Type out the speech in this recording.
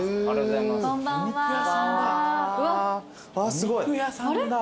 すごい。お肉屋さんだ。